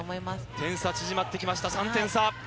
点差、縮まってきました、３点差。